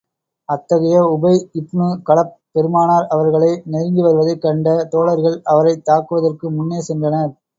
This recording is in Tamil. அத்தகைய உபை இப்னு கலப், பெருமானார் அவர்களை நெருங்கி வருவதைக் கண்ட தோழர்கள் அவரைத் தாக்குவதற்கு முன்னே சென்றனர்.